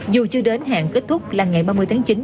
dù chưa đến hạn kết thúc là ngày ba mươi tháng chín